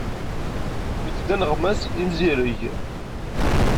Nekk d aneɣmas imzireg.